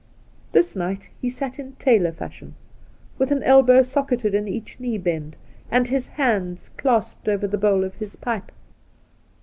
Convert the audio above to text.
This night he sat in tailor fashion, with an elbow socketed in each knee bend, and his hands clasped over the bowl of his pipe.